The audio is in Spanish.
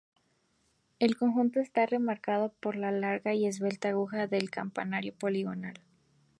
El conjunto está remarcado por la larga y esbelta aguja del campanario poligonal.